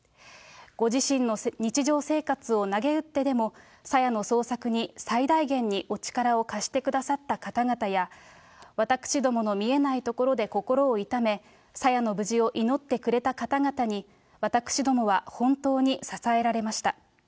ご自身の日常生活をなげうってでも、さやの捜索に最大限にお力を貸してくださった方々や、私どもの見えないところで心を痛め、さやの無事を祈ってくれた方々に、私どもは本当に支えられました。